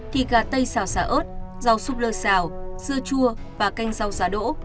thịt gà tây xào xà ớt rau súp lơ xào dưa chua và canh rau xà đỗ